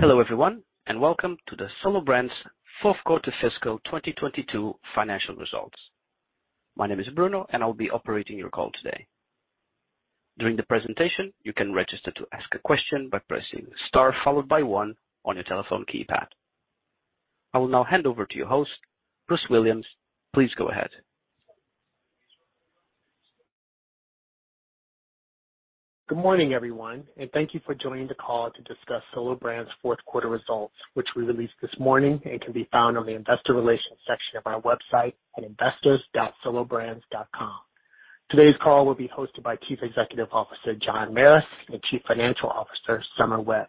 Hello, everyone, and welcome to the Solo Brands fourth quarter fiscal 2022 financial results. My name is Bruno, and I'll be operating your call today. During the presentation, you can register to ask a question by pressing Star followed by one on your telephone keypad. I will now hand over to your host, Bruce Williams. Please go ahead. Good morning, everyone, and thank you for joining the call to discuss Solo Brands fourth quarter results, which we released this morning and can be found on the investor relations section of our website at investors.solobrands.com. Today's call will be hosted by Chief Executive Officer, John Merris, and Chief Financial Officer, Somer Webb.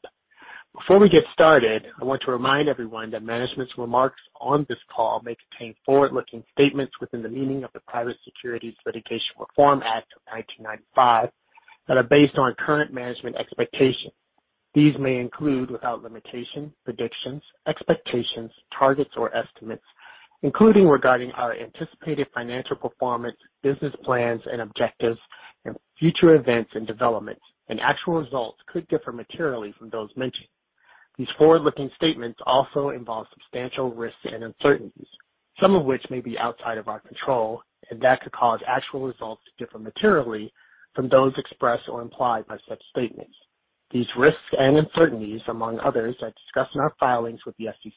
Before we get started, I want to remind everyone that management's remarks on this call may contain forward-looking statements within the meaning of the Private Securities Litigation Reform Act of 1995 that are based on current management expectations. These may include, without limitation, predictions, expectations, targets, or estimates, including regarding our anticipated financial performance, business plans and objectives and future events and developments. Actual results could differ materially from those mentioned. These forward-looking statements also involve substantial risks and uncertainties, some of which may be outside of our control, and that could cause actual results to differ materially from those expressed or implied by such statements. These risks and uncertainties, among others, are discussed in our filings with the SEC.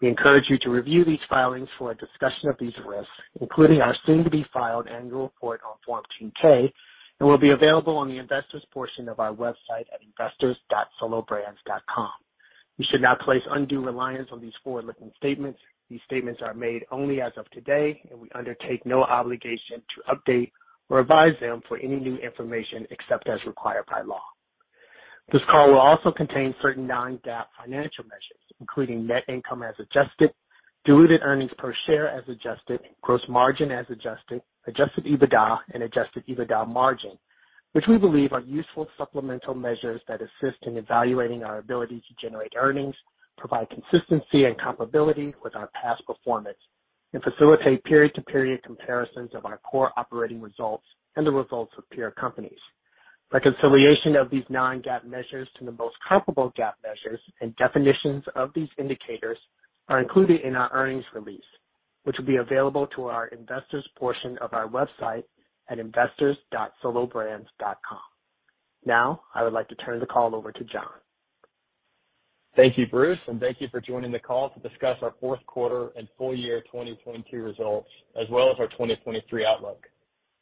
We encourage you to review these filings for a discussion of these risks, including our soon-to-be filed annual report on Form 10-K, and will be available on the investors portion of our website at investors.solobrands.com. You should not place undue reliance on these forward-looking statements. These statements are made only as of today, and we undertake no obligation to update or revise them for any new information, except as required by law. This call will also contain certain non-GAAP financial measures, including net income as adjusted, diluted earnings per share as adjusted, gross margin as adjusted EBITDA and adjusted EBITDA margin, which we believe are useful supplemental measures that assist in evaluating our ability to generate earnings, provide consistency and comparability with our past performance, and facilitate period to period comparisons of our core operating results and the results of peer companies. Reconciliation of these non-GAAP measures to the most comparable GAAP measures and definitions of these indicators are included in our earnings release, which will be available to our investors portion of our website at investors.solobrands.com. I would like to turn the call over to John. Thank you, Bruce, and thank you for joining the call to discuss our fourth quarter and full year 2022 results as well as our 2023 outlook.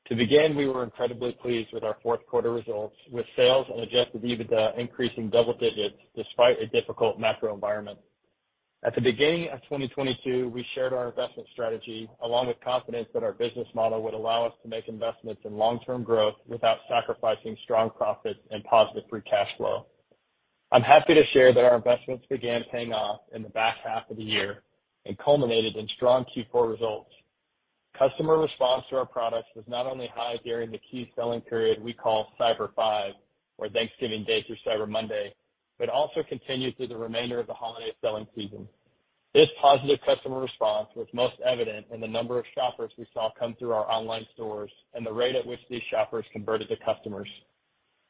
To begin, we were incredibly pleased with our fourth quarter results, with sales and adjusted EBITDA increasing double digits despite a difficult macro environment. At the beginning of 2022, we shared our investment strategy along with confidence that our business model would allow us to make investments in long-term growth without sacrificing strong profits and positive free cash flow. I'm happy to share that our investments began paying off in the back half of the year and culminated in strong Q4 results. Customer response to our products was not only high during the key selling period we call Cyber Five, or Thanksgiving Day through Cyber Monday, but also continued through the remainder of the holiday selling season. This positive customer response was most evident in the number of shoppers we saw come through our online stores and the rate at which these shoppers converted to customers.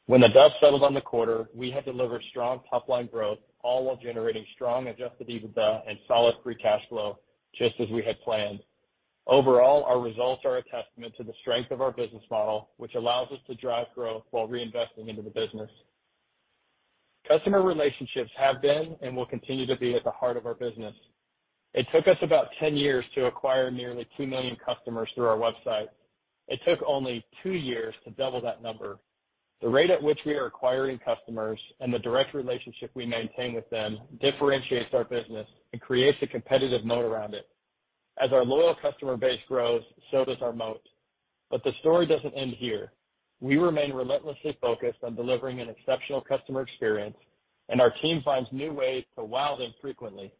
When the dust settled on the quarter, we had delivered strong top line growth, all while generating strong adjusted EBITDA and solid free cash flow just as we had planned. Our results are a testament to the strength of our business model, which allows us to drive growth while reinvesting into the business. Customer relationships have been and will continue to be at the heart of our business. It took us about 10-years to acquire nearly 2 million customers through our website. It took only two years to double that number. The rate at which we are acquiring customers and the direct relationship we maintain with them differentiates our business and creates a competitive moat around it. As our loyal customer base grows, so does our moat. The story doesn't end here. We remain relentlessly focused on delivering an exceptional customer experience, and our team finds new ways to wow them frequently.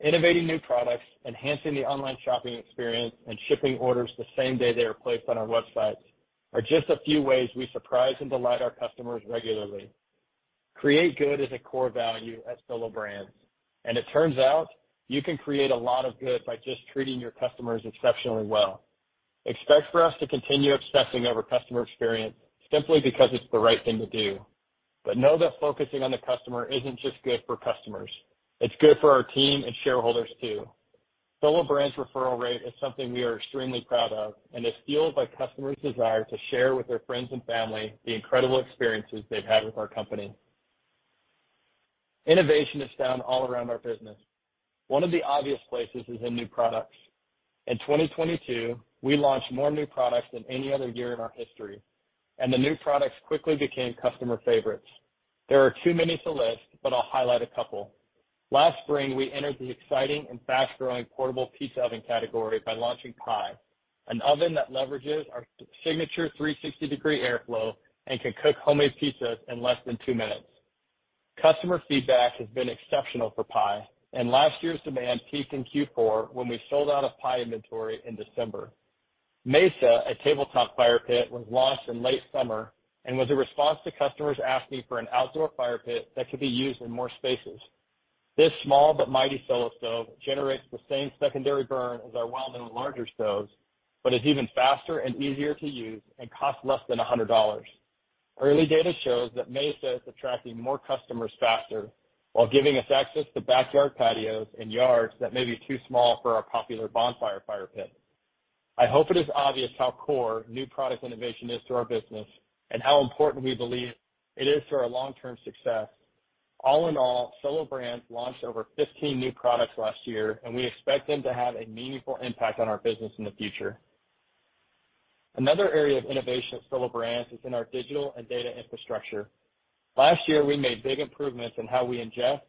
Innovating new products, enhancing the online shopping experience, and shipping orders the same day they are placed on our websites are just a few ways we surprise and delight our customers regularly. Create good is a core value at Solo Brands, and it turns out you can create a lot of good by just treating your customers exceptionally well. Expect for us to continue obsessing over customer experience simply because it's the right thing to do. Know that focusing on the customer isn't just good for customers, it's good for our team and shareholders too. Solo Brands referral rate is something we are extremely proud of and is fueled by customers' desire to share with their friends and family the incredible experiences they've had with our company. Innovation is found all around our business. One of the obvious places is in new products. In 2022, we launched more new products than any other year in our history. The new products quickly became customer favorites. There are too many to list, but I'll highlight a couple. Last spring, we entered the exciting and fast-growing portable pizza oven category by launching Pi, an oven that leverages our signature 360-degree airflow and can cook homemade pizzas in less than two minutes. Customer feedback has been exceptional for Pi, and last year's demand peaked in Q4 when we sold out of Pi inventory in December. Mesa, a tabletop fire pit, was launched in late summer and was a response to customers asking for an outdoor fire pit that could be used in more spaces. This small but mighty Solo Stove generates the same secondary burn as our well-known larger stoves, but is even faster and easier to use and costs less than $100. Early data shows that Mesa is attracting more customers faster while giving us access to backyard patios and yards that may be too small for our popular Bonfire fire pit. I hope it is obvious how core new product innovation is to our business, and how important we believe it is to our long-term success. All in all, Solo Brands launched over 15 new products last year, and we expect them to have a meaningful impact on our business in the future. Another area of innovation at Solo Brands is in our digital and data infrastructure. Last year, we made big improvements in how we ingest,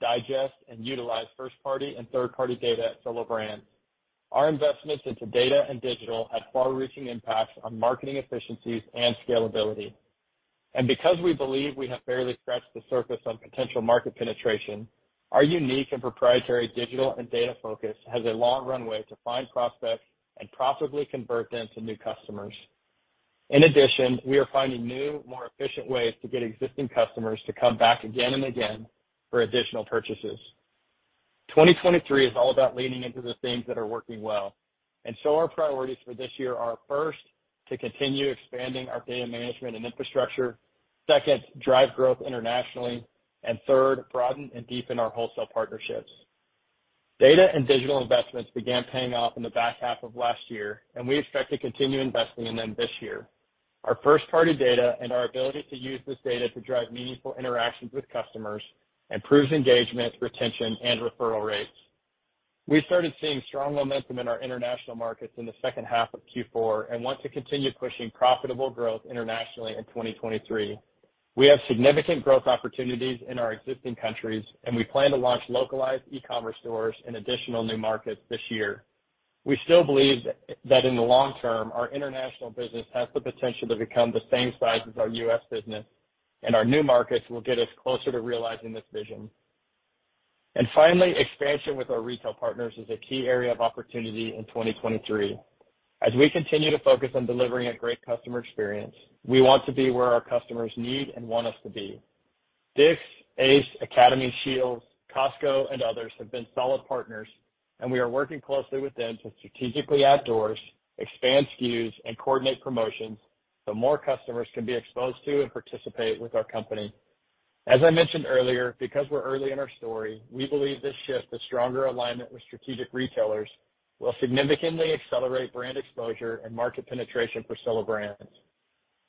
digest, and utilize first-party and third-party data at Solo Brands. Our investments into data and digital had far-reaching impacts on marketing efficiencies and scalability. Because we believe we have barely scratched the surface on potential market penetration, our unique and proprietary digital and data focus has a long runway to find prospects and profitably convert them to new customers. In addition, we are finding new, more efficient ways to get existing customers to come back again and again for additional purchases. 2023 is all about leaning into the things that are working well, and so our priorities for this year are, first, to continue expanding our data management and infrastructure, second, drive growth internationally, and third, broaden and deepen our wholesale partnerships. Digital investments began paying off in the back half of last year, and we expect to continue investing in them this year. Our first-party data and our ability to use this data to drive meaningful interactions with customers improves engagement, retention, and referral rates. We started seeing strong momentum in our international markets in the second half of Q4 and want to continue pushing profitable growth internationally in 2023. We have significant growth opportunities in our existing countries, and we plan to launch localized e-commerce stores in additional new markets this year. We still believe that in the long term, our international business has the potential to become the same size as our U.S. business, and our new markets will get us closer to realizing this vision. Finally, expansion with our retail partners is a key area of opportunity in 2023. As we continue to focus on delivering a great customer experience, we want to be where our customers need and want us to be. Ace, Academy, SCHEELS, Costco, and others have been solid partners, and we are working closely with them to strategically add doors, expand SKUs, and coordinate promotions so more customers can be exposed to and participate with our company. As I mentioned earlier, because we're early in our story, we believe this shift to stronger alignment with strategic retailers will significantly accelerate brand exposure and market penetration for Solo Brands.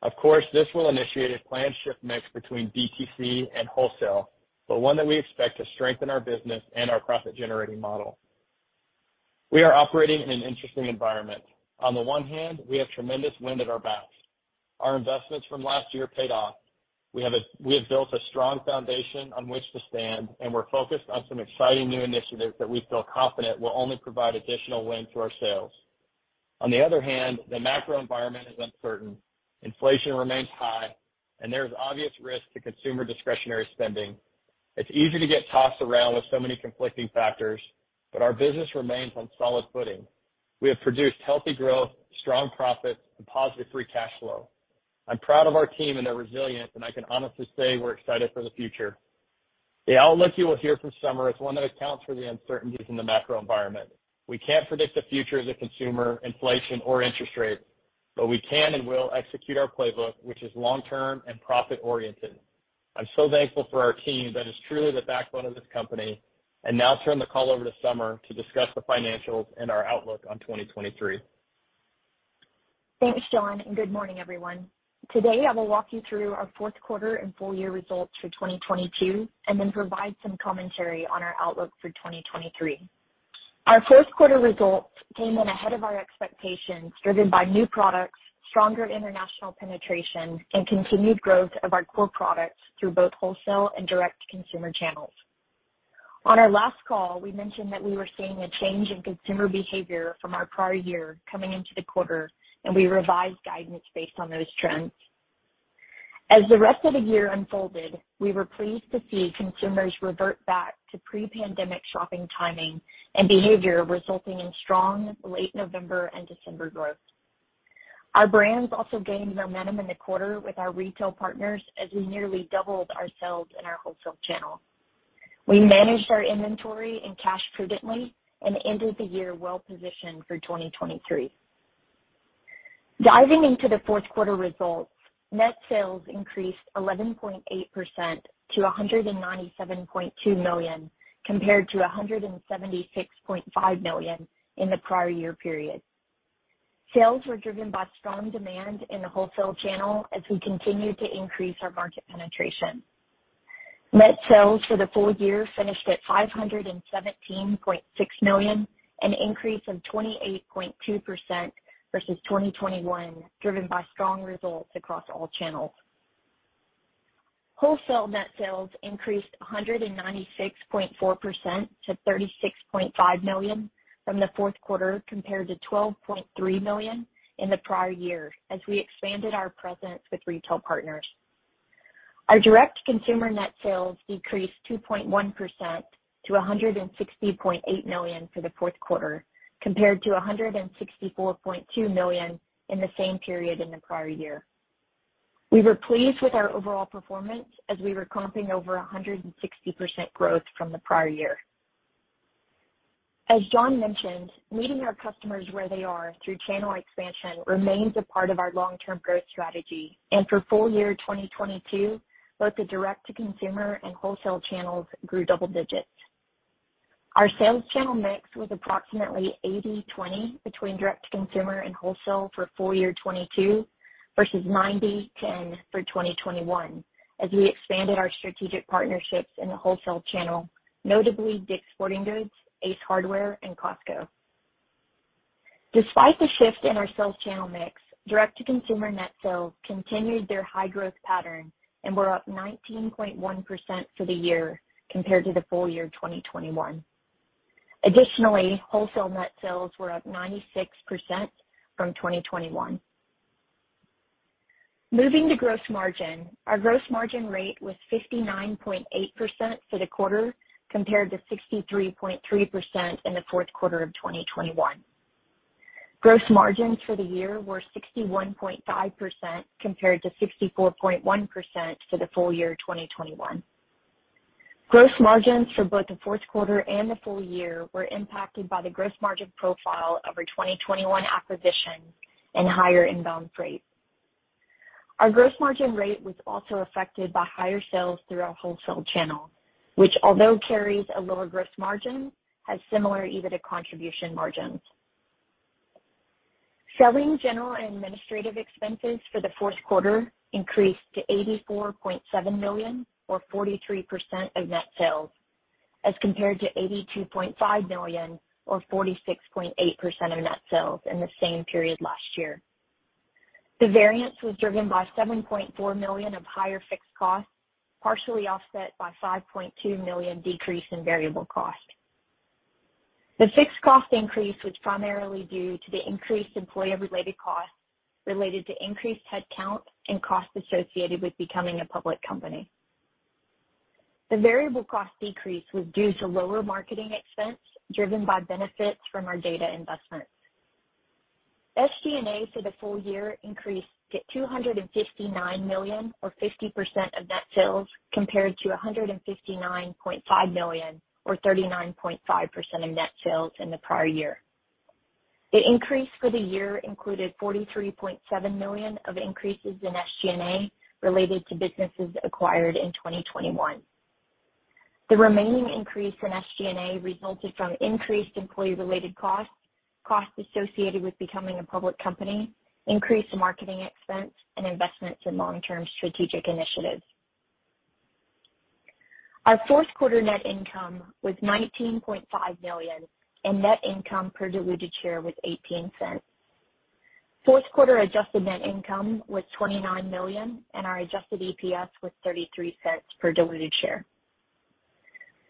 Of course, this will initiate a planned shift mix between DTC and wholesale, but one that we expect to strengthen our business and our profit-generating model. We are operating in an interesting environment. On the one hand, we have tremendous wind at our backs. Our investments from last year paid off. We have built a strong foundation on which to stand. We're focused on some exciting new initiatives that we feel confident will only provide additional wind to our sails. On the other hand, the macro environment is uncertain. Inflation remains high. There is obvious risk to consumer discretionary spending. It's easy to get tossed around with so many conflicting factors. Our business remains on solid footing. We have produced healthy growth, strong profits, and positive free cash flow. I'm proud of our team and their resilience. I can honestly say we're excited for the future. The outlook you will hear from Somer is one that accounts for the uncertainties in the macro environment. We can't predict the future of the consumer, inflation, or interest rates. We can and will execute our playbook, which is long term and profit oriented. I'm so thankful for our team that is truly the backbone of this company, and now turn the call over to Somer to discuss the financials and our outlook on 2023. Thanks, John. Good morning, everyone. Today, I will walk you through our fourth quarter and full year results for 2022, then provide some commentary on our outlook for 2023. Our fourth quarter results came in ahead of our expectations, driven by new products, stronger international penetration, and continued growth of our core products through both wholesale and direct-to-consumer channels. On our last call, we mentioned that we were seeing a change in consumer behavior from our prior year coming into the quarter. We revised guidance based on those trends. As the rest of the year unfolded, we were pleased to see consumers revert back to pre-pandemic shopping timing and behavior, resulting in strong late November and December growth. Our brands also gained momentum in the quarter with our retail partners as we nearly doubled our sales in our wholesale channel. We managed our inventory and cash prudently and ended the year well positioned for 2023. Diving into the fourth quarter results, net sales increased 11.8% to $197.2 million, compared to $176.5 million in the prior year period. Sales were driven by strong demand in the wholesale channel as we continued to increase our market penetration. Net sales for the full year finished at $517.6 million, an increase of 28.2% versus 2021, driven by strong results across all channels. Wholesale net sales increased 196.4% to $36.5 million from the fourth quarter compared to $12.3 million in the prior year as we expanded our presence with retail partners. Our direct-to-consumer net sales decreased 2.1% to $160.8 million for the fourth quarter, compared to $164.2 million in the same period in the prior year. We were pleased with our overall performance as we were comping over 160% growth from the prior year. As John mentioned, meeting our customers where they are through channel expansion remains a part of our long-term growth strategy. For full year 2022, both the direct-to-consumer and wholesale channels grew double digits. Our sales channel mix was approximately 80-20 between direct-to-consumer and wholesale for full year 2022 versus 90-10 for 2021 as we expanded our strategic partnerships in the wholesale channel, notably Sporting Goods, Ace Hardware, and Costco. Despite the shift in our sales channel mix, direct-to-consumer net sales continued their high growth pattern and were up 19.1% for the year compared to the full year 2021. Wholesale net sales were up 96% from 2021. Moving to gross margin. Our gross margin rate was 59.8% for the quarter compared to 63.3% in the fourth quarter of 2021. Gross margins for the year were 61.5% compared to 64.1% for the full year 2021. Gross margins for both the fourth quarter and the full year were impacted by the gross margin profile of our 2021 acquisition and higher inbound freight. Our gross margin rate was also affected by higher sales through our wholesale channel, which although carries a lower gross margin, has similar EBITDA contribution margins. Selling, general, and administrative expenses for the fourth quarter increased to $84.7 million or 43% of net sales, as compared to $82.5 million or 46.8% of net sales in the same period last year. The variance was driven by $7.4 million of higher fixed costs, partially offset by $5.2 million decrease in variable cost. The fixed cost increase was primarily due to the increased employee related costs related to increased headcount and costs associated with becoming a public company. The variable cost decrease was due to lower marketing expense driven by benefits from our data investments. SG&A for the full year increased to $259 million or 50% of net sales, compared to $159.5 million or 39.5% of net sales in the prior year. The increase for the year included $43.7 million of increases in SG&A related to businesses acquired in 2021. The remaining increase in SG&A resulted from increased employee related costs associated with becoming a public company, increased marketing expense, and investments in long-term strategic initiatives. Our fourth quarter net income was $19.5 million, and net income per diluted share was $0.18. Fourth quarter adjusted net income was $29 million, and our adjusted EPS was $0.33 per diluted share.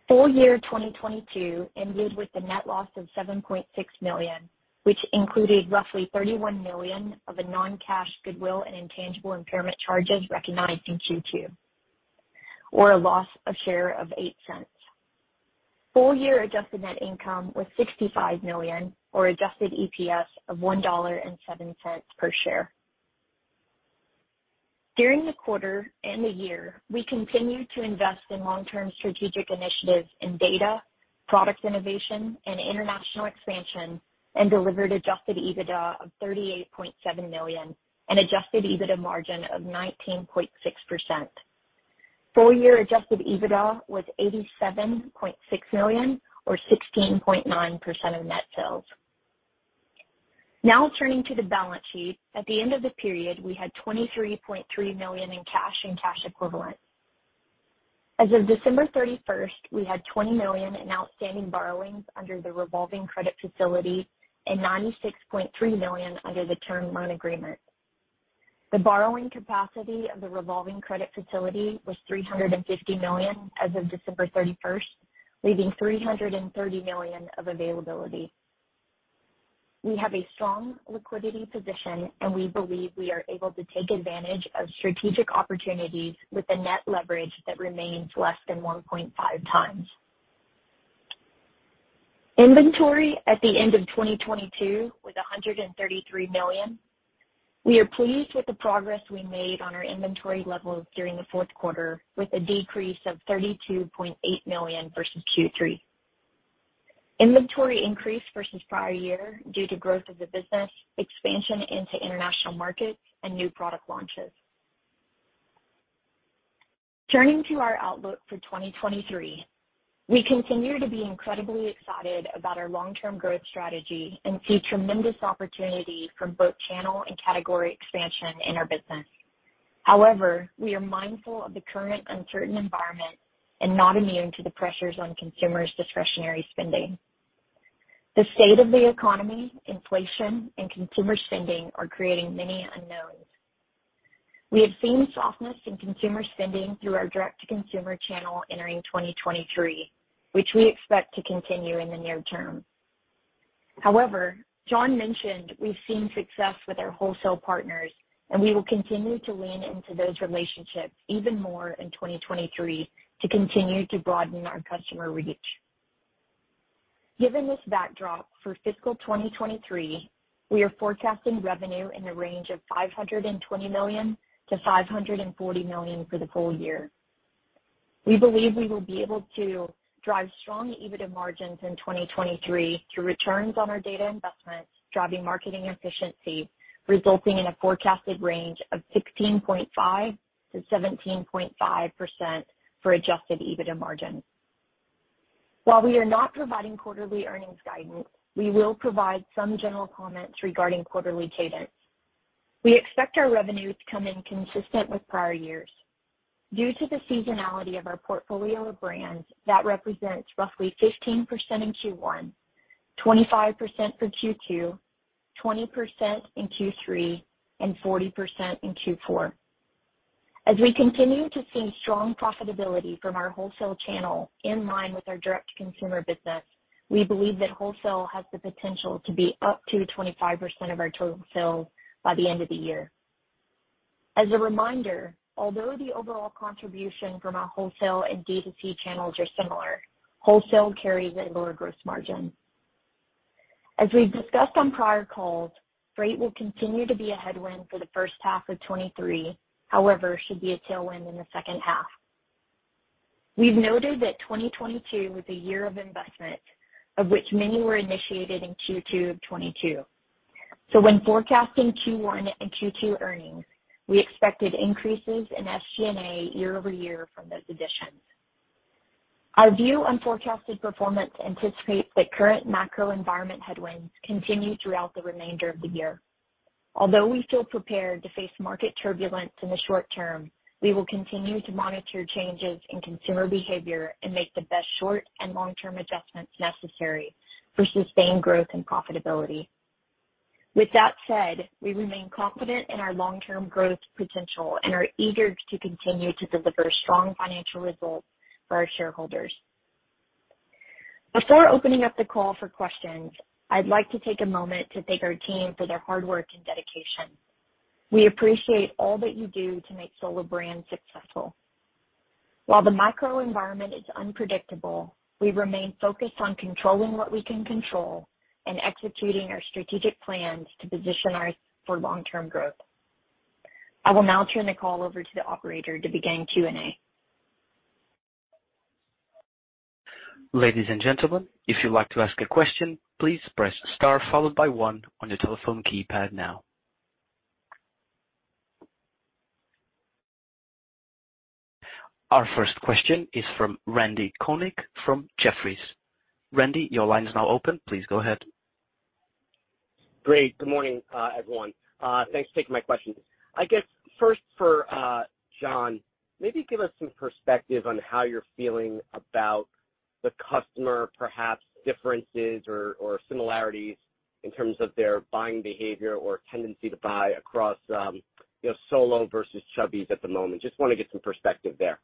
Full year 2022 ended with a net loss of $7.6 million, which included roughly $31 million of a non-cash goodwill and intangible impairment charges recognized in Q2, or a loss a share of $0.08. Full year adjusted net income was $65 million or adjusted EPS of $1.07 per share. During the quarter and the year, we continued to invest in long-term strategic initiatives in data, product innovation, and international expansion, and delivered adjusted EBITDA of $38.7 million and adjusted EBITDA margin of 19.6%. Full year adjusted EBITDA was $87.6 million or 16.9% of net sales. Now turning to the balance sheet. At the end of the period, we had $23.3 million in cash and cash equivalents. As of December 31st, we had $20 million in outstanding borrowings under the revolving credit facility and $96.3 million under the term loan agreement. The borrowing capacity of the revolving credit facility was $350 million as of December 31st, leaving $330 million of availability. We have a strong liquidity position. We believe we are able to take advantage of strategic opportunities with a net leverage that remains less than 1.5 times. Inventory at the end of 2022 was $133 million. We are pleased with the progress we made on our inventory levels during the fourth quarter with a decrease of $32.8 million versus Q3. Inventory increased versus prior year due to growth of the business, expansion into international markets, and new product launches. Turning to our outlook for 2023. We continue to be incredibly excited about our long-term growth strategy and see tremendous opportunity for both channel and category expansion in our business. However, we are mindful of the current uncertain environment and not immune to the pressures on consumers' discretionary spending. The state of the economy, inflation, and consumer spending are creating many unknowns. We have seen softness in consumer spending through our direct-to-consumer channel entering 2023, which we expect to continue in the near term. John mentioned we've seen success with our wholesale partners, and we will continue to lean into those relationships even more in 2023 to continue to broaden our customer reach. Given this backdrop for fiscal 2023, we are forecasting revenue in the range of $520 million-$540 million for the full year. We believe we will be able to drive strong EBITDA margins in 2023 through returns on our data investments, driving marketing efficiency, resulting in a forecasted range of 16.5%-17.5% for adjusted EBITDA margins. While we are not providing quarterly earnings guidance, we will provide some general comments regarding quarterly cadence. We expect our revenue to come in consistent with prior years. Due to the seasonality of our portfolio of brands, that represents roughly 15% in Q1, 25% for Q2, 20% in Q3, and 40% in Q4. As we continue to see strong profitability from our wholesale channel in line with our direct-to-consumer business, we believe that wholesale has the potential to be up to 25% of our total sales by the end of the year. As a reminder, although the overall contribution from our wholesale and D2C channels are similar, wholesale carries a lower gross margin. As we've discussed on prior calls, freight will continue to be a headwind for the first half of 2023, however, should be a tailwind in the second half. We've noted that 2022 was a year of investment, of which many were initiated in Q2 of 2022. When forecasting Q1 and Q2 earnings, we expected increases in SG&A year-over-year from those additions. Our view on forecasted performance anticipates that current macro environment headwinds continue throughout the remainder of the year. Although we feel prepared to face market turbulence in the short term, we will continue to monitor changes in consumer behavior and make the best short and long-term adjustments necessary for sustained growth and profitability. With that said, we remain confident in our long-term growth potential and are eager to continue to deliver strong financial results for our shareholders. Before opening up the call for questions, I'd like to take a moment to thank our team for their hard work and dedication. We appreciate all that you do to make Solo Brands successful. While the microenvironment is unpredictable, we remain focused on controlling what we can control and executing our strategic plans to position us for long-term growth. I will now turn the call over to the operator to begin Q&A. Ladies and gentlemen, if you'd like to ask a question, please press star followed by one on your telephone keypad now. Our first question is from Randy Konik from Jefferies. Randy, your line is now open. Please go ahead. Great. Good morning, everyone. Thanks for taking my questions. I guess first for, John, maybe give us some perspective on how you're feeling about the customer, perhaps differences or similarities in terms of their buying behavior or tendency to buy across, you know, Solo versus Chubbies at the moment? Just wanna get some perspective there.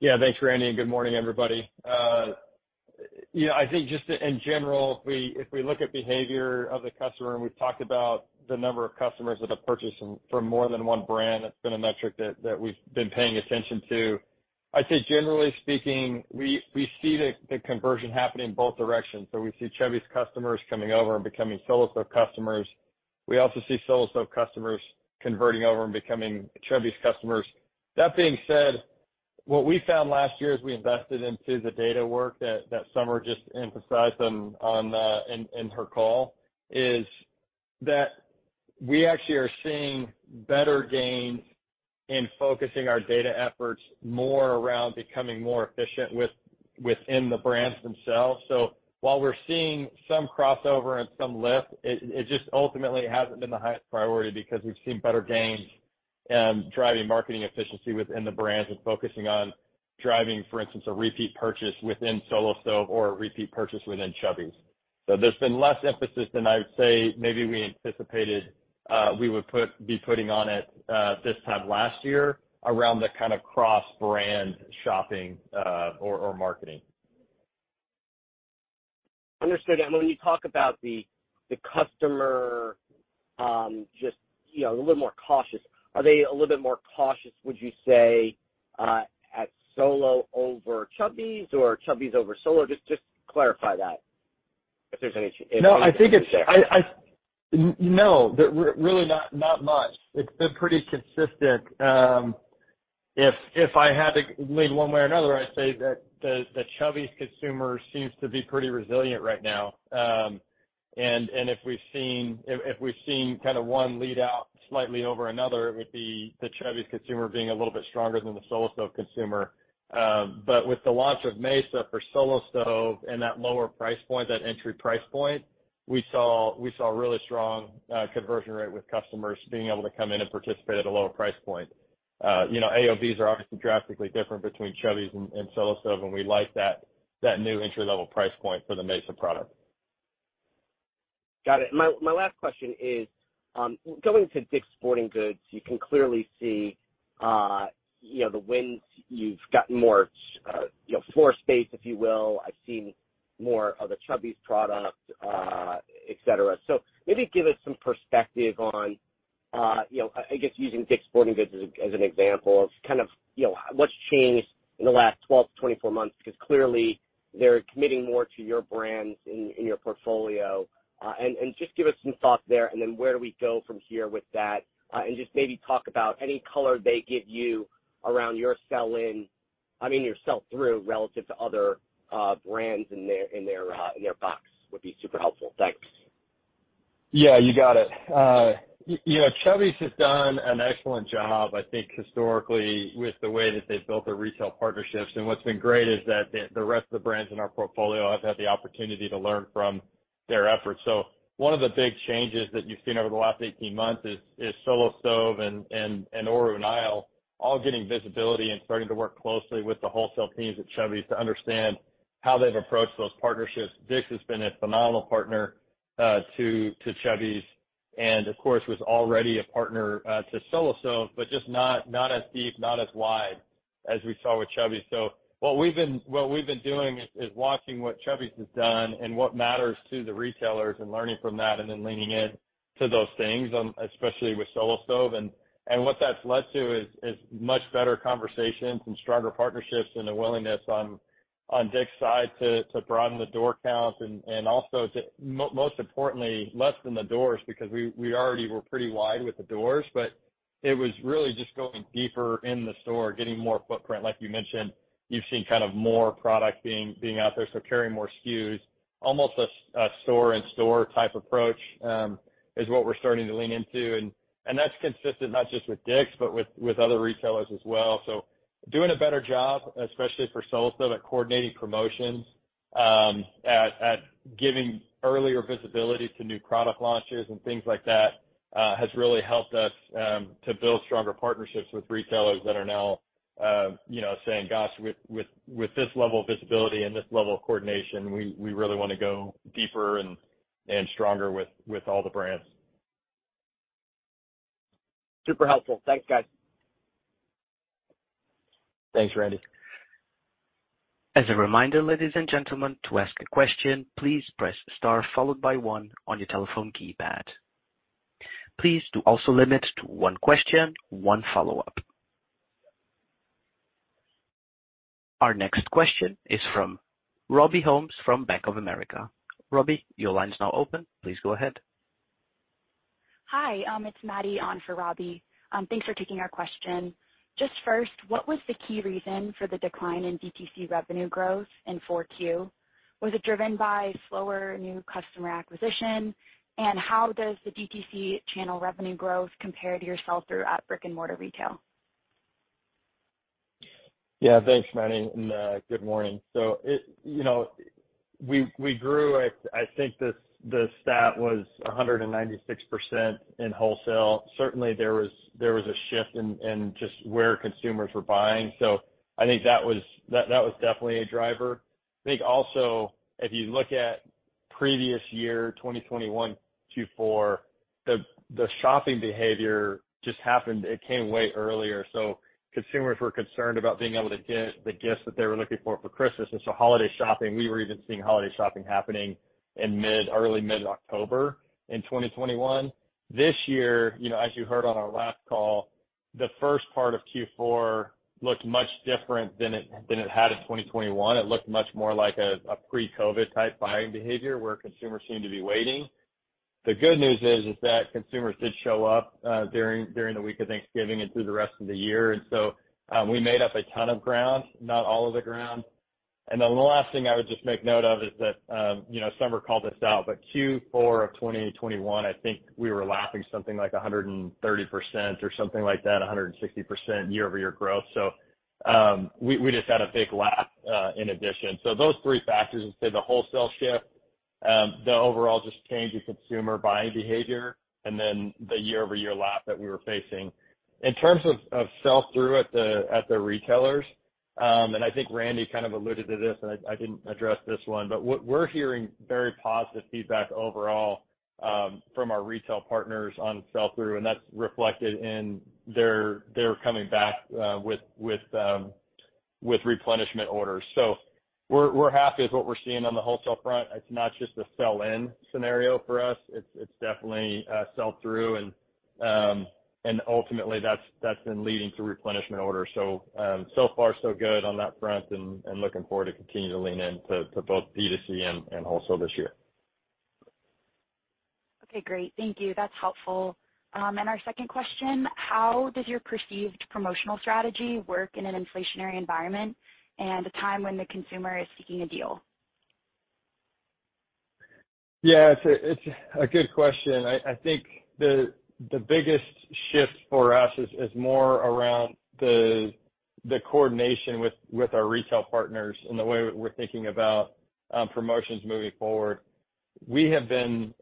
Yeah. Thanks, Randy, and good morning, everybody. You know, I think just in general, if we look at behavior of the customer, and we've talked about the number of customers that have purchased from more than one brand, that's been a metric that we've been paying attention to. I'd say generally speaking, we see the conversion happening both directions. We see Chubbies customers coming over and becoming Solo Stove customers. We also see Solo Stove customers converting over and becoming Chubbies customers. That being said, what we found last year as we invested into the data work that Somer just emphasized on, in her call is that we actually are seeing better gains in focusing our data efforts more around becoming more efficient within the brands themselves. While we're seeing some crossover and some lift, it just ultimately hasn't been the highest priority because we've seen better gains, driving marketing efficiency within the brands and focusing on driving, for instance, a repeat purchase within Solo Stove or a repeat purchase within Chubbies. There's been less emphasis than I'd say maybe we anticipated, we would be putting on it this time last year around the kind of cross-brand shopping, or marketing. Understood. When you talk about the customer, just, you know, a little more cautious, are they a little bit more cautious, would you say, at Solo over Chubbies or Chubbies over Solo? Just clarify that if there's any. No, really not much. It's been pretty consistent. If I had to lean one way or another, I'd say that the Chubbies consumer seems to be pretty resilient right now. If we've seen kinda one lead out slightly over another, it would be the Chubbies consumer being a little bit stronger than the Solo Stove consumer. With the launch of Mesa for Solo Stove and that lower price point, that entry price point, we saw a really strong conversion rate with customers being able to come in and participate at a lower price point. You know, AOVs are obviously drastically different between Chubbies and Solo Stove, we like that new entry-level price point for the Mesa product. Got it. My last question is, going to Sporting Goods, you can clearly see, you know, the wins. You've gotten more, you know, floor space, if you will. I've seen more of the Chubbies product, et cetera. Maybe give us some perspective on, you know, I guess using Sporting Goods as an example of kind of, you know, what's changed in the last 12-24 months because clearly they're committing more to your brands in your portfolio. Just give us some thoughts there and then where do we go from here with that? Just maybe talk about any color they give you around your sell-in, I mean, your sell-through relative to other brands in their box would be super helpful. Thanks. Yeah, you got it. you know, Chubbies has done an excellent job, I think historically with the way that they've built their retail partnerships. What's been great is that the rest of the brands in our portfolio have had the opportunity to learn from their efforts. One of the big changes that you've seen over the last 18-months is Solo Stove and Oru Kayak all getting visibility and starting to work closely with the wholesale teams at Chubbies to understand how they've approached those partnerships. has been a phenomenal partner to Chubbies and of course was already a partner to Solo Stove, but just not as deep, not as wide as we saw with Chubbies. What we've been doing is watching what Chubbies has done and what matters to the retailers and learning from that and then leaning in to those things, especially with Solo Stove. What that's led to is much better conversations and stronger partnerships and a willingness on side to broaden the door count and also to most importantly, less than the doors because we already were pretty wide with the doors, but it was really just going deeper in the store, getting more footprint. Like you mentioned, you've seen kind of more product being out there, so carrying more SKUs, almost a store and store type approach, is what we're starting to lean into. That's consistent not just with, but with other retailers as well. Doing a better job, especially for Solo Stove at coordinating promotions, at giving earlier visibility to new product launches and things like that, has really helped us to build stronger partnerships with retailers that are now, you know, saying, "Gosh, with this level of visibility and this level of coordination, we really want to go deeper and stronger with all the brands. Super helpful. Thanks, guys. Thanks, Randy. As a reminder, ladies and gentlemen, to ask a question, please press star followed by one on your telephone keypad. Please do also limit to one question, one follow-up. Our next question is from Robbie Ohmes from Bank of America. Robbie, your line's now open. Please go ahead. Hi. It's Maddie on for Robbie. Thanks for taking our question. Just first, what was the key reason for the decline in DTC revenue growth in four Q? Was it driven by slower new customer acquisition? How does the DTC channel revenue growth compare to your sell-through at brick-and-mortar retail? Thanks, Maddie, and good morning. You know, we grew at, I think the stat was 196% in wholesale. Certainly, there was a shift in just where consumers were buying. I think that was definitely a driver. I think also, if you look at previous year, 2021 Q4, the shopping behavior just happened. It came way earlier, consumers were concerned about being able to get the gifts that they were looking for Christmas. Holiday shopping, we were even seeing holiday shopping happening in early mid-October in 2021. This year, you know, as you heard on our last call, the first part of Q4 looked much different than it had in 2021. It looked much more like a pre-COVID type buying behavior where consumers seemed to be waiting. The good news is that consumers did show up during the week of Thanksgiving and through the rest of the year. We made up a ton of ground, not all of the ground. Then the last thing I would just make note of is that, you know, some were called this out, but Q4 of 2021, I think we were lapping something like 130% or something like that, 160% year-over-year growth. We just had a big lap in addition. Those three factors, I'd say the wholesale shift, the overall just change in consumer buying behavior, and then the year-over-year lap that we were facing. In terms of sell-through at the retailers, I think Randy kind of alluded to this, and I didn't address this one, but what we're hearing very positive feedback overall, from our retail partners on sell-through, and that's reflected in their, they're coming back with replenishment orders. We're happy with what we're seeing on the wholesale front. It's not just a sell-in scenario for us. It's definitely a sell-through and ultimately that's been leading to replenishment orders. So far so good on that front and looking forward to continuing to lean in to both B2C and wholesale this year. Okay, great. Thank you. That's helpful. Our second question, how does your perceived promotional strategy work in an inflationary environment and a time when the consumer is seeking a deal? Yeah, it's a good question. I think the biggest shift for us is more around the coordination with our retail partners in the way we're thinking about promotions moving forward. We have been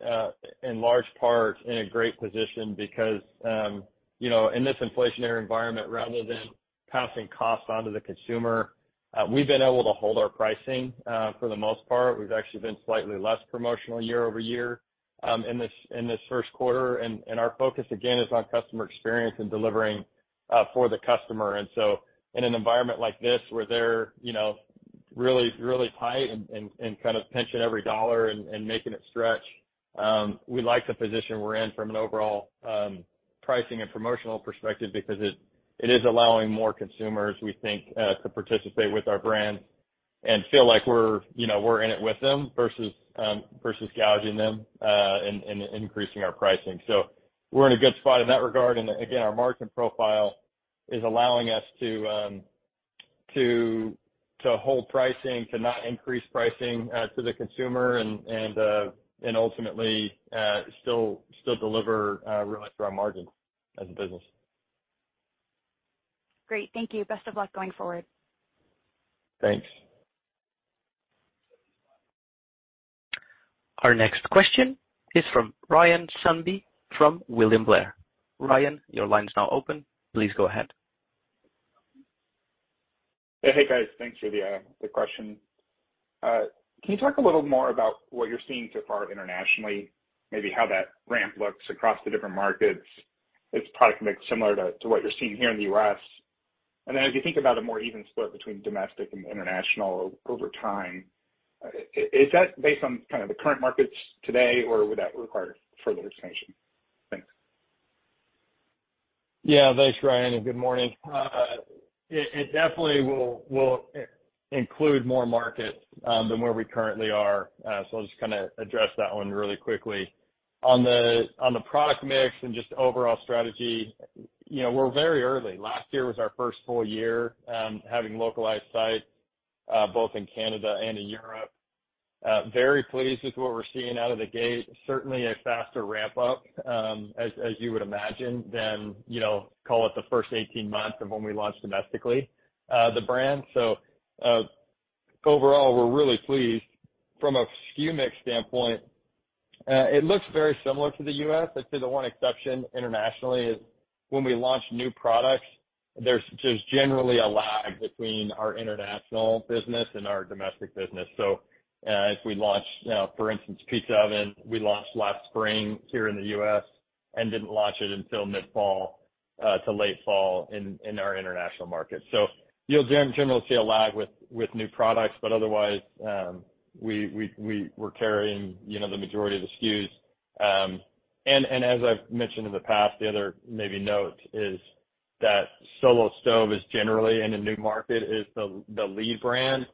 in large part in a great position because, you know, in this inflationary environment, rather than passing costs onto the consumer, we've been able to hold our pricing for the most part. We've actually been slightly less promotional year-over-year in this first quarter. Our focus again is on customer experience and delivering for the customer. In an environment like this where they're, you know, really, really tight and kind of pinching every dollar and making it stretch. We like the position we're in from an overall, pricing and promotional perspective because it is allowing more consumers, we think, to participate with our brands and feel like we're, you know, we're in it with them versus gouging them, and increasing our pricing. We're in a good spot in that regard. Again, our margin profile is allowing us to hold pricing, to not increase pricing, to the consumer and ultimately, still deliver, really strong margins as a business. Great. Thank you. Best of luck going forward. Thanks. Our next question is from Ryan Sundby, from William Blair. Ryan, your line is now open. Please go ahead. Hey, guys. Thanks for the question. Can you talk a little more about what you're seeing so far internationally, maybe how that ramp looks across the different markets? Is product mix similar to what you're seeing here in the U.S.? Then as you think about a more even split between domestic and international over time, is that based on kind of the current markets today or would that require further expansion? Thanks. Yeah. Thanks, Ryan. Good morning. It definitely will include more markets than where we currently are. I'll just kinda address that one really quickly. On the product mix and just overall strategy, you know, we're very early. Last year was our first full year having localized sites both in Canada and in Europe. Very pleased with what we're seeing out of the gate. Certainly a faster ramp up as you would imagine, than, you know, call it the first 18 months of when we launched domestically the brand. Overall, we're really pleased. From a SKU mix standpoint, it looks very similar to the U.S., I'd say the one exception internationally is when we launch new products, there's generally a lag between our international business and our domestic business. If we launch, you know, for instance, pizza oven, we launched last spring here in the U.S. and didn't launch it until mid-fall to late fall in our international markets. You'll generally see a lag with new products. Otherwise, we're carrying, you know, the majority of the SKUs. And as I've mentioned in the past, the other maybe note is that Solo Stove is generally in a new market, is the lead brand,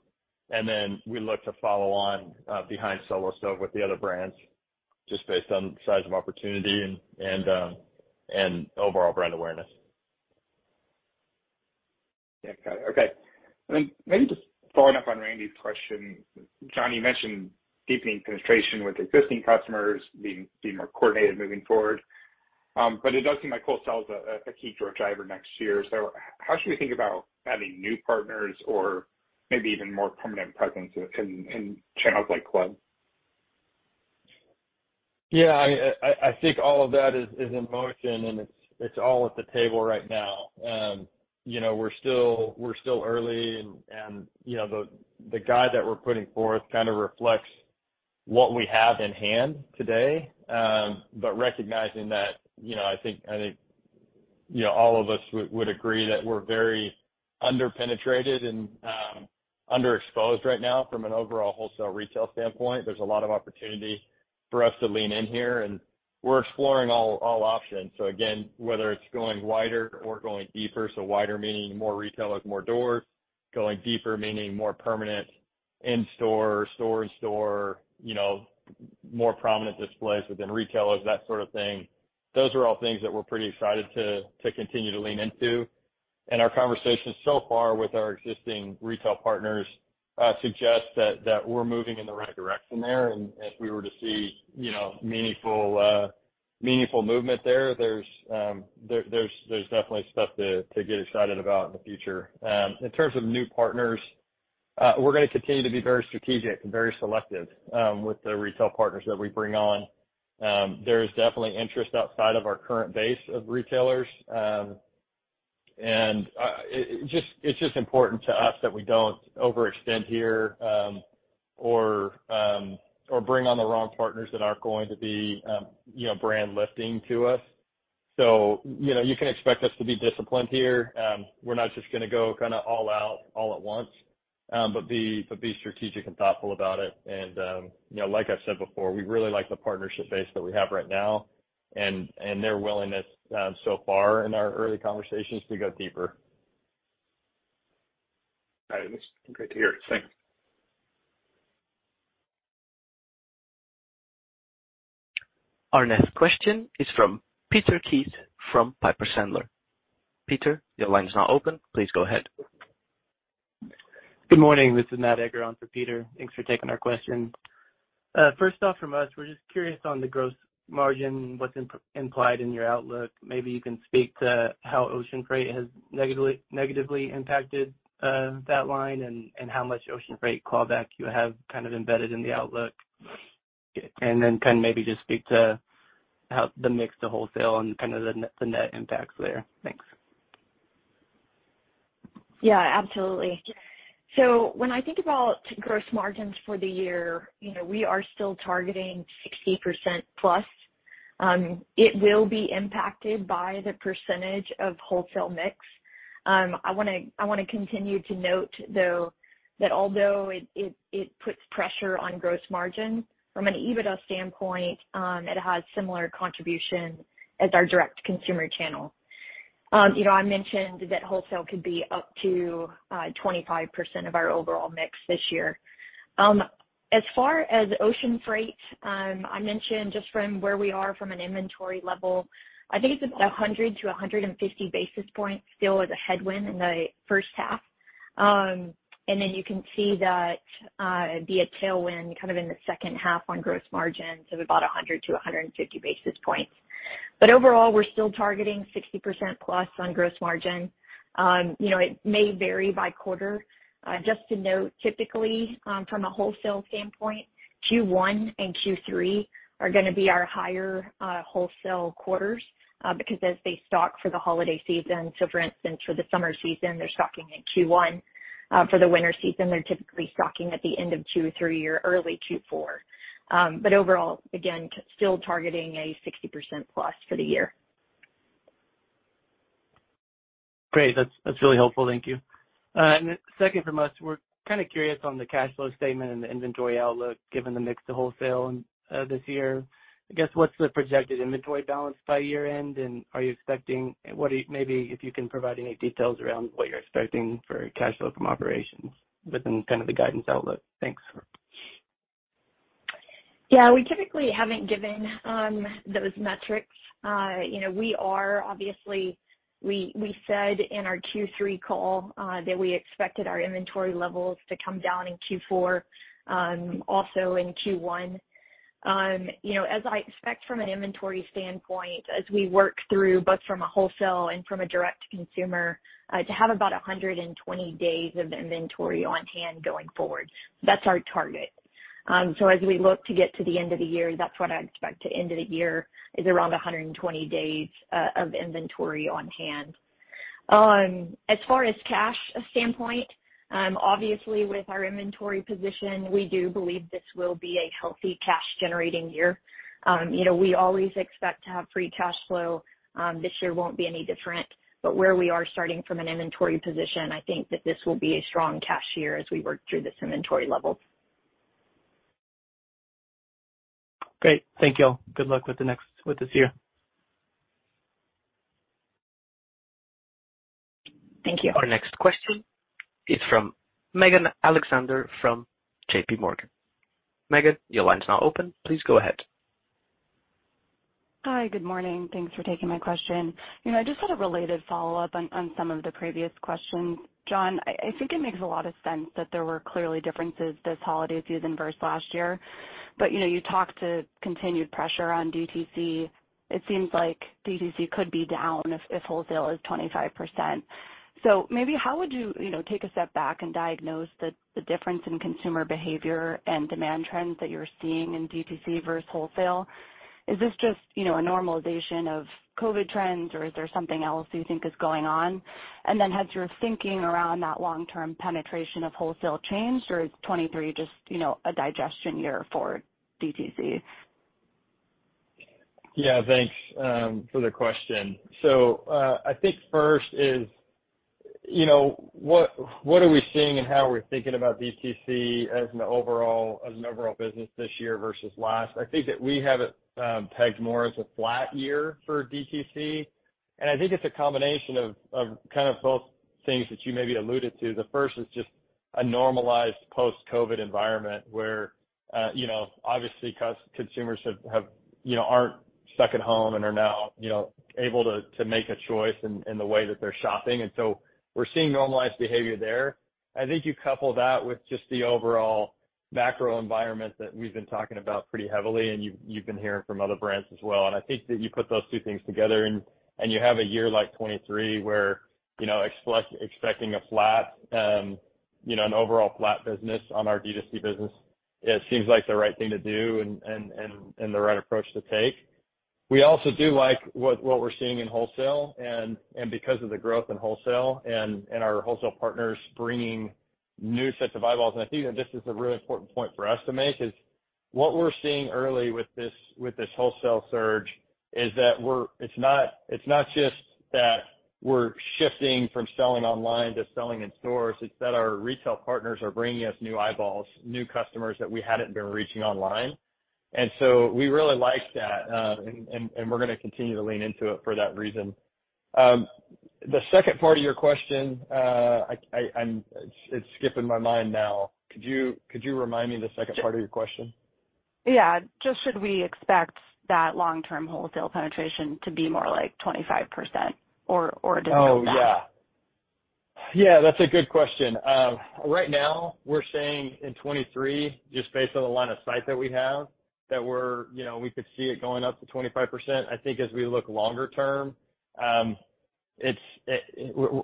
and then we look to follow on behind Solo Stove with the other brands just based on size of opportunity and overall brand awareness. Yeah. Got it. Okay. Maybe just following up on Randy's question. John, you mentioned deepening penetration with existing customers being more coordinated moving forward. It does seem like wholesale is a key growth driver next year. How should we think about adding new partners or maybe even more permanent presence in channels like club? Yeah, I think all of that is in motion and it's all at the table right now. You know, we're still early and, you know, the guide that we're putting forth kind of reflects what we have in hand today. Recognizing that, you know, I think, you know, all of us would agree that we're very under-penetrated and underexposed right now from an overall wholesale retail standpoint. There's a lot of opportunity for us to lean in here, and we're exploring all options. Again, whether it's going wider or going deeper, so wider meaning more retailers, more doors. Going deeper, meaning more permanent in-store, store-in-store, you know, more prominent displays within retailers, that sort of thing. Those are all things that we're pretty excited to continue to lean into. Our conversations so far with our existing retail partners suggest that we're moving in the right direction there. If we were to see, you know, meaningful movement there's definitely stuff to get excited about in the future. In terms of new partners, we're gonna continue to be very strategic and very selective with the retail partners that we bring on. There is definitely interest outside of our current base of retailers. It's just important to us that we don't overextend here or bring on the wrong partners that aren't going to be, you know, brand lifting to us. You know, you can expect us to be disciplined here. We're not just gonna go kinda all out all at once, but be strategic and thoughtful about it. You know, like I said before, we really like the partnership base that we have right now and their willingness, so far in our early conversations to go deeper. All right. It's great to hear it. Thanks. Our next question is from Peter Keith from Piper Sandler. Peter, your line is now open. Please go ahead. Good morning. This is Matt Egger on for Peter. Thanks for taking our question. First off from us, we're just curious on the gross margin, what's implied in your outlook. Maybe you can speak to how ocean freight has negatively impacted that line and how much ocean freight callback you have kind of embedded in the outlook. Then kind of maybe just speak to how the mix to wholesale and kind of the net impacts there. Thanks. Yeah, absolutely. When I think about gross margins for the year, you know, we are still targeting 60% plus. It will be impacted by the percentage of wholesale mix. I wanna continue to note, though, that although it puts pressure on gross margin from an EBITDA standpoint, it has similar contribution as our direct-to-consumer channel. You know, I mentioned that wholesale could be up to 25% of our overall mix this year. As far as ocean freight, I mentioned just from where we are from an inventory level, I think it's about 100-150 basis points still as a headwind in the first half. You can see that it'd be a tailwind kind of in the second half on gross margin, so about 100-150 basis points. Overall, we're still targeting 60% plus on gross margin. You know, it may vary by quarter. Just to note, typically, from a wholesale standpoint, Q1 and Q3 are gonna be our higher wholesale quarters, because as they stock for the holiday season, so for instance, for the summer season, they're stocking in Q1. For the winter season, they're typically stocking at the end of Q3 or early Q4. Overall, again, still targeting a 60% plus for the year. Great. That's really helpful. Thank you. Second from us, we're kind of curious on the cash flow statement and the inventory outlook, given the mix to wholesale this year. I guess, what's the projected inventory balance by year end, and are you expecting? Maybe if you can provide any details around what you're expecting for cash flow from operations within kind of the guidance outlook. Thanks. Yeah, we typically haven't given those metrics. You know, we said in our Q3 call that we expected our inventory levels to come down in Q4, also in Q1. You know, as I expect from an inventory standpoint, as we work through both from a wholesale and from a direct consumer, to have about 120-days of inventory on hand going forward. That's our target. As we look to get to the end of the year, that's what I expect the end of the year is around 120-days of inventory on hand. As far as cash standpoint, obviously with our inventory position, we do believe this will be a healthy cash generating year. You know, we always expect to have free cash flow. this year won't be any different, but where we are starting from an inventory position, I think that this will be a strong cash year as we work through this inventory level. Great. Thank you all. Good luck with this year. Thank you. Our next question is from Megan Alexander from JPMorgan. Megan, your line's now open. Please go ahead. Hi. Good morning. Thanks for taking my question. You know, I just had a related follow-up on some of the previous questions. John, I think it makes a lot of sense that there were clearly differences this holiday season versus last year. You know, you talked to continued pressure on DTC. It seems like DTC could be down if wholesale is 25%. Maybe how would you know, take a step back and diagnose the difference in consumer behavior and demand trends that you're seeing in DTC versus wholesale? Is this just, you know, a normalization of COVID trends, or is there something else you think is going on? Has your thinking around that long-term penetration of wholesale changed, or is 2023 just, you know, a digestion year for DTC? Yeah. Thanks for the question. I think first is, you know, what are we seeing and how are we thinking about DTC as an overall business this year versus last. I think that we have it pegged more as a flat year for DTC. I think it's a combination of kind of both things that you maybe alluded to. The first is just a normalized post-COVID environment where, you know, obviously consumers have, you know, aren't stuck at home and are now, you know, able to make a choice in the way that they're shopping. We're seeing normalized behavior there. I think you couple that with just the overall macro environment that we've been talking about pretty heavily, and you've been hearing from other brands as well. I think that you put those two things together and you have a year like 2023 where, you know, expecting a flat, you know, an overall flat business on our DTC business, it seems like the right thing to do and the right approach to take. We also do like what we're seeing in wholesale and because of the growth in wholesale and our wholesale partners bringing new sets of eyeballs. I think that this is a really important point for us to make, is what we're seeing early with this, with this wholesale surge is that it's not just that we're shifting from selling online to selling in stores, it's that our retail partners are bringing us new eyeballs, new customers that we hadn't been reaching online. We really like that, and we're gonna continue to lean into it for that reason. The second part of your question, it's skipping my mind now. Could you remind me the second part of your question? Yeah. Just should we expect that long-term wholesale penetration to be more like 25% or? Oh, yeah. Yeah, that's a good question. Right now we're saying in 2023, just based on the line of sight that we have, that we're, you know, we could see it going up to 25%. I think as we look longer term, it's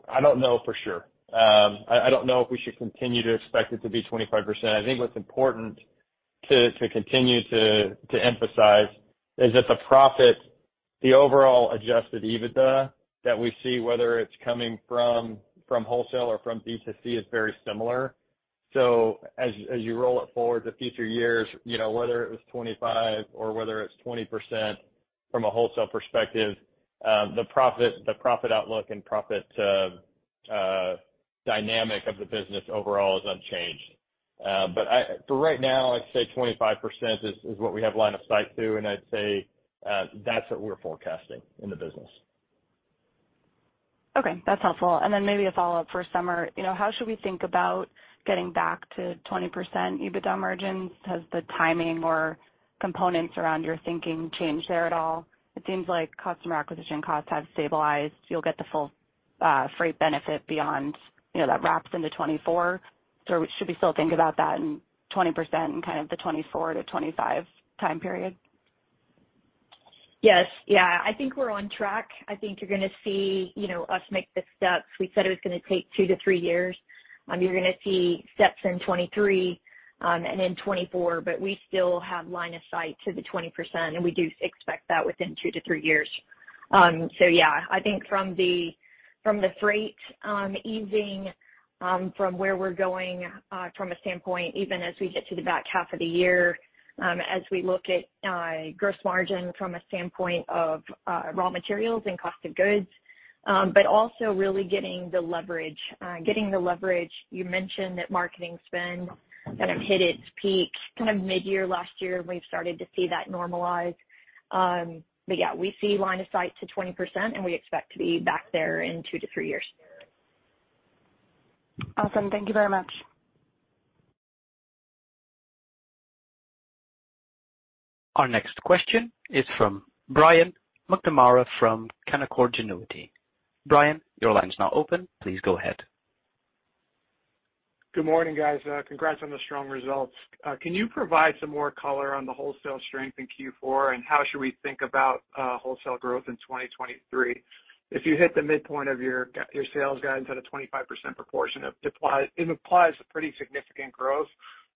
I don't know for sure. I don't know if we should continue to expect it to be 25%. I think what's important to emphasize is that the overall adjusted EBITDA that we see, whether it's coming from wholesale or from B2C, is very similar. As you roll it forward to future years, you know, whether it was 25% or whether it's 20% from a wholesale perspective, the profit outlook and profit dynamic of the business overall is unchanged. For right now, I'd say 25% is what we have line of sight to. I'd say, that's what we're forecasting in the business. Okay, that's helpful. Maybe a follow-up for Somer. You know, how should we think about getting back to 20% EBITDA margins? Has the timing or components around your thinking changed there at all? It seems like customer acquisition costs have stabilized. You'll get the full freight benefit beyond, you know, that wraps into 2024. Should we still think about that in 20% in kind of the 2024-2025 time period? Yes. Yeah. I think we're on track. I think you're gonna see, you know, us make the steps. We said it was gonna take two to three years. You're gonna see steps in 2023 and in 2024, but we still have line of sight to the 20%, and we do expect that within two to three years. Yeah, I think from the freight easing from where we're going from a standpoint, even as we get to the back half of the year, as we look at gross margin from a standpoint of raw materials and cost of goods, but also really getting the leverage, getting the leverage. You mentioned that marketing spend kind of hit its peak kind of mid-year last year, and we've started to see that normalize. Yeah, we see line of sight to 20%, and we expect to be back there in two to three years. Awesome. Thank you very much. Our next question is from Brian McNamara from Canaccord Genuity. Brian, your line is now open. Please go ahead. Good morning, guys. congrats on the strong results. can you provide some more color on the wholesale strength in Q4, and how should we think about wholesale growth in 2023? If you hit the midpoint of your sales guidance at a 25% proportion, it implies a pretty significant growth.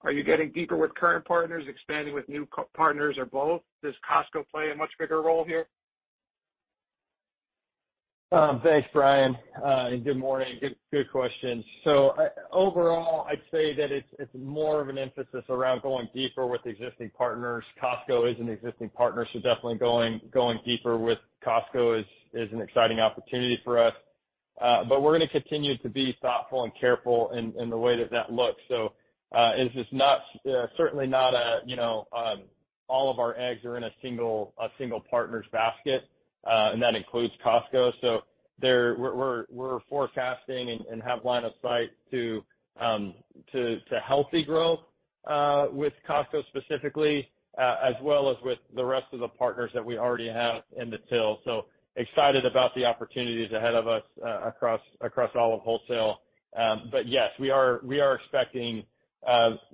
Are you getting deeper with current partners, expanding with new partners or both? Does Costco play a much bigger role here? Thanks, Brian. Good morning. Good question. Overall, I'd say that it's more of an emphasis around going deeper with existing partners. Costco is an existing partner, so definitely going deeper with Costco is an exciting opportunity for us. We're gonna continue to be thoughtful and careful in the way that looks. It's just not, certainly not a, you know, all of our eggs are in a single partner's basket, and that includes Costco. We're forecasting and have line of sight to healthy growth with Costco specifically, as well as with the rest of the partners that we already have in detail. Excited about the opportunities ahead of us across all of wholesale. Yes, we are expecting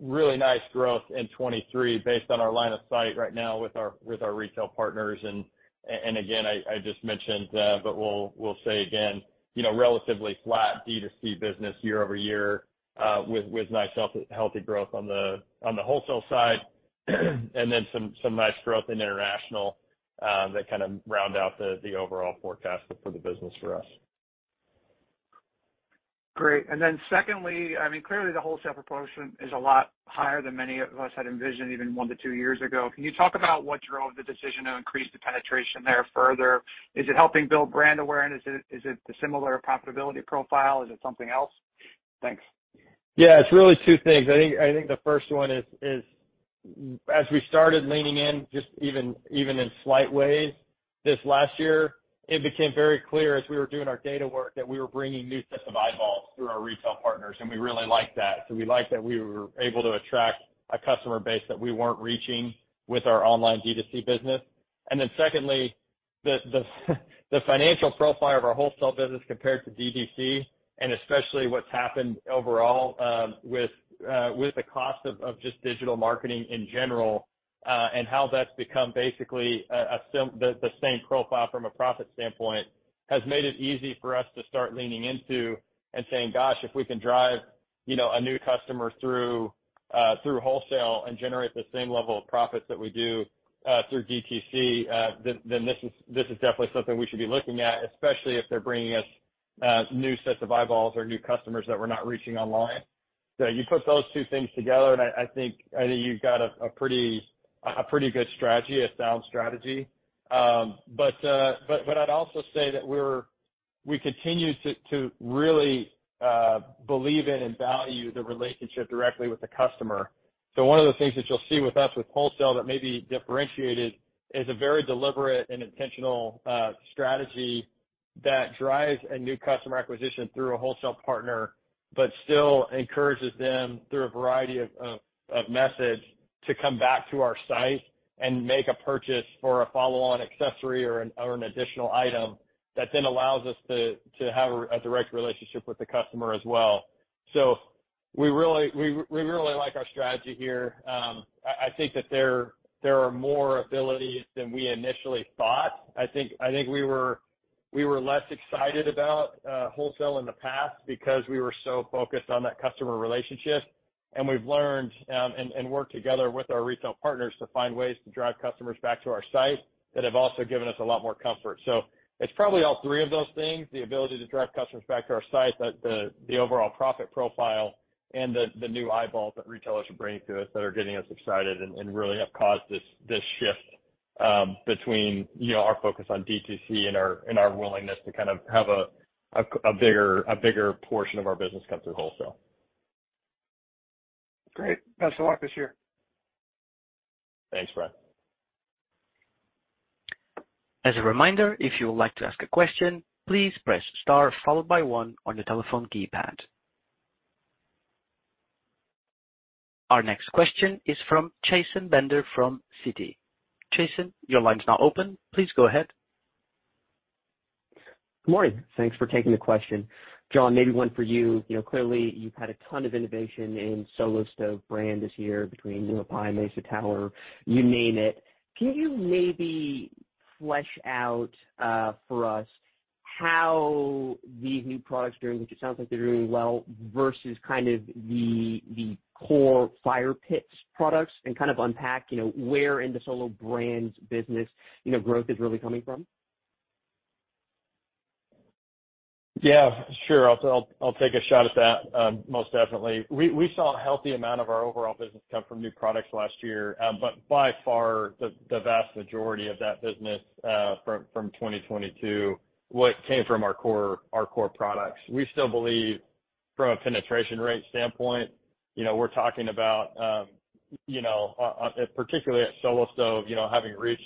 really nice growth in 2023 based on our line of sight right now with our retail partners. Again, I just mentioned, but we'll say again, you know, relatively flat D2C business year-over-year with nice healthy growth on the wholesale side and then some nice growth in international that kind of round out the overall forecast for the business for us. Great. Then secondly, I mean, clearly the wholesale proportion is a lot higher than many of us had envisioned even one to two years ago. Can you talk about what drove the decision to increase the penetration there further? Is it helping build brand awareness? Is it the similar profitability profile? Is it something else? Thanks. It's really two things. I think the first one is as we started leaning in, just even in slight ways this last year, it became very clear as we were doing our data work that we were bringing new sets of eyeballs through our retail partners, and we really liked that. We liked that we were able to attract a customer base that we weren't reaching with our online D2C business. Secondly, the financial profile of our wholesale business compared to D2C and especially what's happened overall with the cost of just digital marketing in general, and how that's become basically the same profile from a profit standpoint has made it easy for us to start leaning into and saying, "Gosh, if we can drive, you know, a new customer through wholesale and generate the same level of profits that we do through DTC, then this is definitely something we should be looking at, especially if they're bringing us new sets of eyeballs or new customers that we're not reaching online." You put those two things together, and I think you've got a pretty good strategy, a sound strategy. I'd also say that we continue to really believe in and value the relationship directly with the customer. One of the things that you'll see with us with wholesale that may be differentiated is a very deliberate and intentional strategy that drives a new customer acquisition through a wholesale partner, but still encourages them through a variety of methods to come back to our site and make a purchase for a follow-on accessory or an additional item that then allows us to have a direct relationship with the customer as well. We really like our strategy here. I think that there are more abilities than we initially thought. I think we were less excited about wholesale in the past because we were so focused on that customer relationship, and we've learned and work together with our retail partners to find ways to drive customers back to our site that have also given us a lot more comfort. It's probably all three of those things, the ability to drive customers back to our site, the overall profit profile and the new eyeballs that retailers are bringing to us that are getting us excited and really have caused this shift, you know, between our focus on D2C and our willingness to kind of have a bigger portion of our business come through wholesale. Great. Best of luck this year. Thanks, Brian. As a reminder, if you would like to ask a question, please press star followed by one on your telephone keypad. Our next question is from Chasen Bender from Citi. Chasen, your line's now open. Please go ahead. Good morning. Thanks for taking the question. John, maybe one for you. You know, clearly you've had a ton of innovation in Solo Stove brand this year between new Pi Mesa Tower, you name it. Can you maybe flesh out for us how these new products are doing, which it sounds like they're doing well, versus kind of the core fire pits products and kind of unpack, you know, where in the Solo Brands business, you know, growth is really coming from? Yeah, sure. I'll take a shot at that, most definitely. We saw a healthy amount of our overall business come from new products last year. By far, the vast majority of that business from 2022 came from our core products. We still believe from a penetration rate standpoint, you know, we're talking about, you know, particularly at Solo Stove, you know, having reached,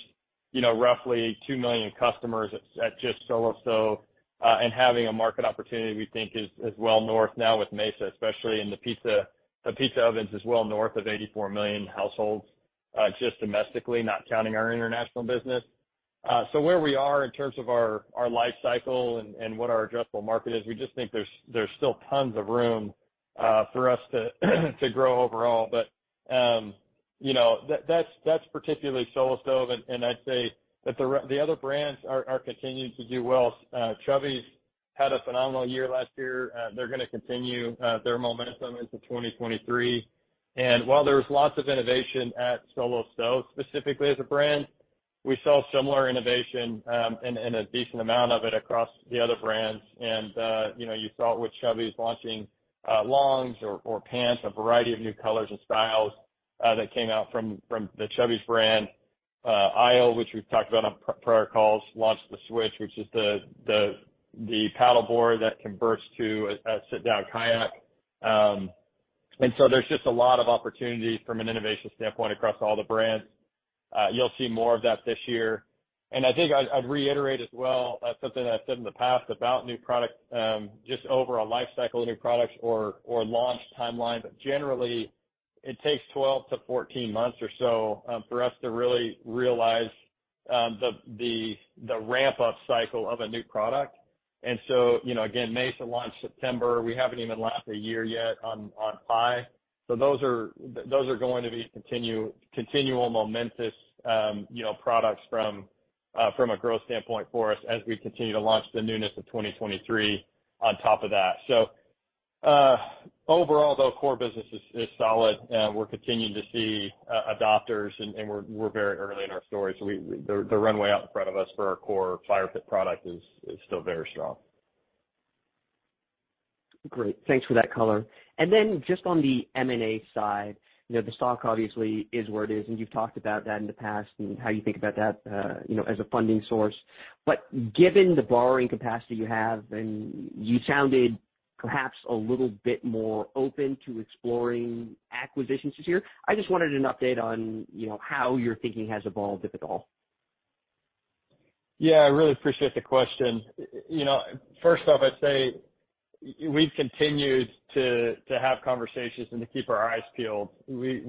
you know, roughly 2 million customers at just Solo Stove, and having a market opportunity we think is well north now with Mesa, especially in the pizza ovens is well north of 84 million households just domestically, not counting our international business. Where we are in terms of our life cycle and what our addressable market is, we just think there's still tons of room for us to grow overall. You know, that's particularly Solo Stove, and I'd say that the other brands are continuing to do well. Chubbies had a phenomenal year last year. They're gonna continue their momentum into 2023. While there was lots of innovation at Solo Stove, specifically as a brand, we saw similar innovation and a decent amount of it across the other brands. You know, you saw it with Chubbies launching longs or pants, a variety of new colors and styles that came out from the Chubbies brand. ISLE, which we've talked about on prior calls, launched the Switch, which is the paddleboard that converts to a sit-down kayak. There's just a lot of opportunities from an innovation standpoint across all the brands. You'll see more of that this year. I think I'd reiterate as well, something that I've said in the past about new product, just over a lifecycle of new products or launch timelines. Generally, it takes 12-14 months or so for us to really realize the ramp-up cycle of a new product. You know, again, Mesa launched September. We haven't even launched a year yet on Pi. Those are going to be continual momentous, you know, products from a growth standpoint for us as we continue to launch the newness of 2023 on top of that. Overall, though, core business is solid, we're continuing to see adopters and we're very early in our story, so the runway out in front of us for our core fire pit product is still very strong. Great. Thanks for that color. Just on the M&A side, you know, the stock obviously is where it is, and you've talked about that in the past and how you think about that, you know, as a funding source. Given the borrowing capacity you have, and you sounded perhaps a little bit more open to exploring acquisitions this year, I just wanted an update on, you know, how your thinking has evolved, if at all. Yeah, I really appreciate the question. You know, first off, I'd say we've continued to have conversations and to keep our eyes peeled. We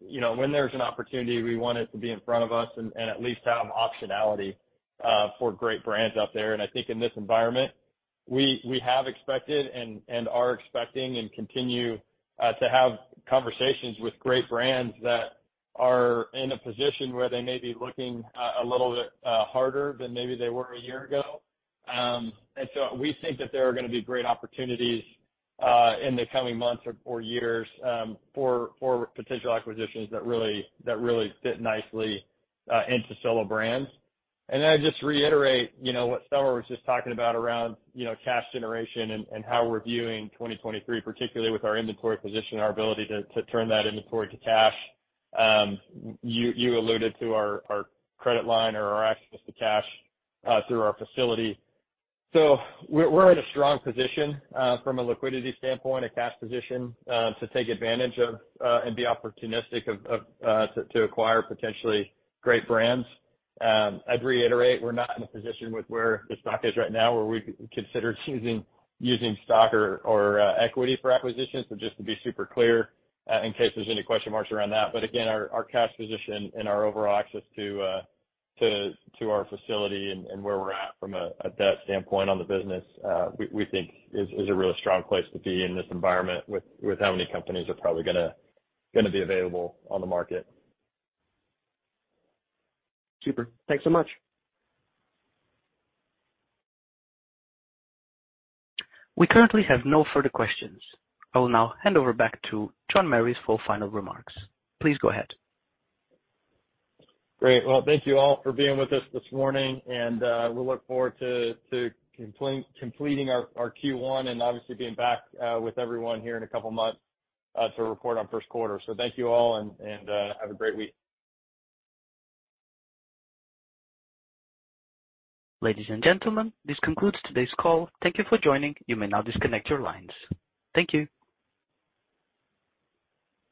You know, when there's an opportunity, we want it to be in front of us and at least have optionality for great brands out there. I think in this environment, we have expected and are expecting and continue to have conversations with great brands that are in a position where they may be looking a little bit harder than maybe they were a year ago. So we think that there are gonna be great opportunities in the coming months or years for potential acquisitions that really fit nicely into Solo Brands. I'd just reiterate, you know, what Somer was just talking about around, you know, cash generation and how we're viewing 2023, particularly with our inventory position, our ability to turn that inventory to cash. You alluded to our credit line or our access to cash through our facility. We're at a strong position from a liquidity standpoint, a cash position, to take advantage of and be opportunistic of, to acquire potentially great brands. I'd reiterate, we're not in a position with where the stock is right now where we've considered using stock or equity for acquisitions. Just to be super clear, in case there's any question marks around that. Again, our cash position and our overall access to our facility and where we're at at that standpoint on the business, we think is a really strong place to be in this environment with how many companies are probably gonna be available on the market. Super. Thanks so much. We currently have no further questions. I will now hand over back to John Merris for final remarks. Please go ahead. Great. Well, thank you all for being with us this morning. We look forward to completing our Q1 and obviously being back with everyone here in a couple of months to report on first quarter. Thank you all and have a great week. Ladies and gentlemen, this concludes today's call. Thank you for joining. You may now disconnect your lines. Thank you.